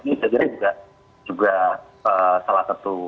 ini segera juga salah satu